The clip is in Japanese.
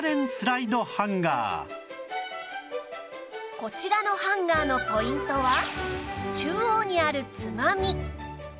こちらのハンガーのポイントは中央にあるつまみ